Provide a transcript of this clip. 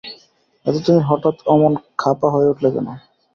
এতে তুমি হঠাৎ অমন খাপা হয়ে উঠলে কেন?